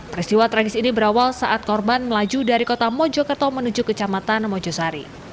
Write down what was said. peristiwa tragis ini berawal saat korban melaju dari kota mojokerto menuju kecamatan mojosari